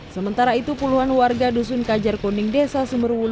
sementara itu puluhan warga dusun kajar kuning desa sumberwu